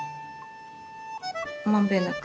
まんべんなく。